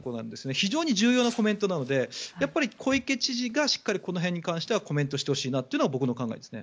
非常に重要なコメントなのでやっぱり小池知事がしっかり、この辺に関してはコメントしてほしいなというのが僕の考えですね。